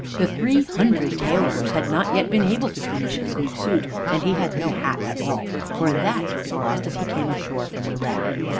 The three hundred tailors had not yet been able to finish his new suit, and he had no hat at all, for that had been lost as he came ashore from the wreck.